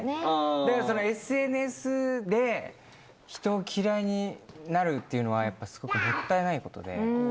だからそのＳＮＳで人を嫌いになるっていうのはやっぱすごくもったいないことで。